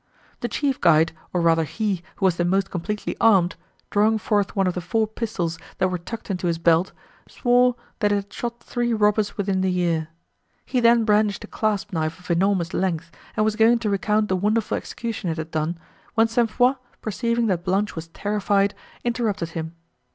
The chief guide, or rather he, who was the most completely armed, drawing forth one of the four pistols, that were tucked into his belt, swore, that it had shot three robbers within the year. He then brandished a clasp knife of enormous length, and was going to recount the wonderful execution it had done, when St. Foix, perceiving, that Blanche was terrified, interrupted him.